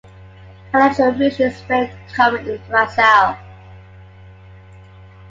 Electoral fusion is very common in Brazil.